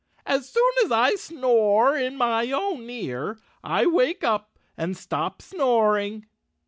"As soon as I snore in my own ear I wake up and stop snoring."